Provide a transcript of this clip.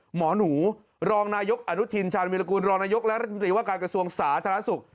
หมอหนูรองนายกอนุทินชาญวิรากูลรองนายกและรัฐมนตรีว่าการกระทรวงสาธารณสุข